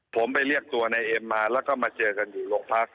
ผมไปเรียกตัวนายเอ็มมาแล้วก็มาเจอกันอยู่โรงพัก